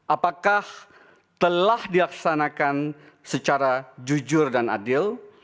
apakah telah dilaksanakan secara jujur dan adil